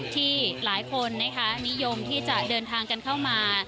ที่หลายคนนิยมที่จะเดินทางกันเข้ามา